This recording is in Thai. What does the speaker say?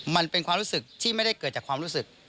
มันเป็นความรู้สึกที่ไม่ได้เกิดจากความรู้สึก